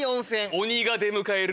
鬼が出迎える。